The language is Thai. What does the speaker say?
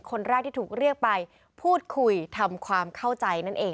คนแรกที่ถูกเรียกไปพูดคุยทำความเข้าใจนั่นเอง